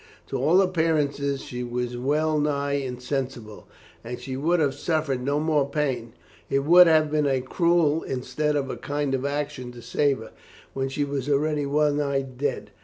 To all appearance she was well nigh insensible, and she would have suffered no more pain. It would have been a cruel instead of a kind action to save her, when she was already well nigh dead.